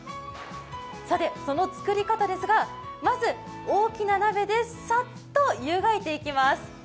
さて、その作り方ですがまず大きな鍋でさっとゆがいていきます。